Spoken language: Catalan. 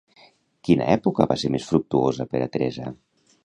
Quina època va ser més fructuosa per a Teresa?